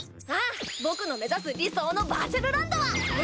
ああ僕の目指す理想のバーチャルランドは。